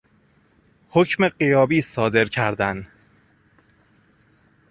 حکم غیابی صادر کردن